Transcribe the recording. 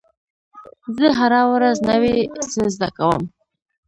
زه هره ورځ نوی څه زده کوم.